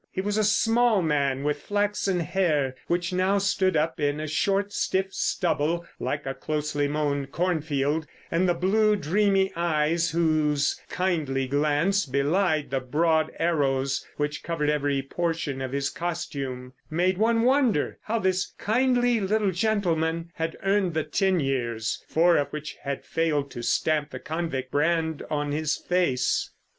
He was a small man with flaxen hair, which now stood up in a short, stiff stubble like a closely mown cornfield, and the blue, dreamy eyes, whose kindly glance belied the broad arrows which covered every portion of his costume, made one wonder how this kindly little gentleman had earned the ten years, four of which had failed to stamp the convict brand upon his face.